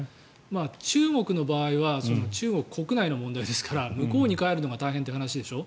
中国の場合は中国国内の問題ですから向こうに帰るのが大変という話でしょ。